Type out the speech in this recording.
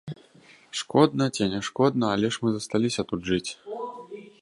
Шкодна ці не шкодна, але ж мы засталіся тут жыць.